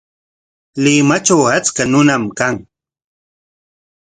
Limatraw achka runam kan.